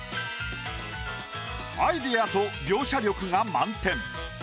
アイディアと描写力が満点。